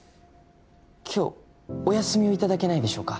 今日お休みを頂けないでしょうか？